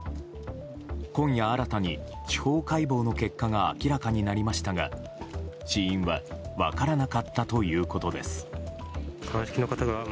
今夜、新たに司法解剖の結果が明らかになりましたが死因は分からなかったということです。